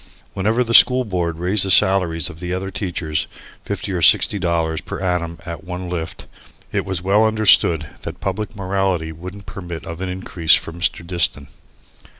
Whenever the School Board raised the salaries of the other teachers, fifty or sixty dollars per annum at one lift, it was well understood that public morality wouldn't permit of an increase for Mr. Diston.